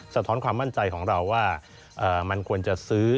สะท้อนความมั่นใจของเราว่ามันควรจะซื้อ